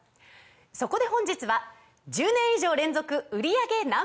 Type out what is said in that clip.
そこで本日は１０年以上連続売り上げＮｏ．１